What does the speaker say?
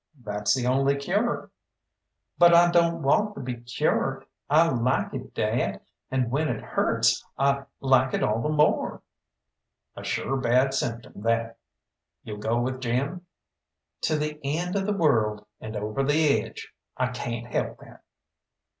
"That's the only cure." "But I don't want to be cured. I like it, dad, and when it hurts I like it all the more." "A sure bad symptom that. You'll go with Jim?" "To the end of the world, and over the edge I cayn't help that."